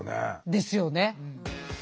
ですよね。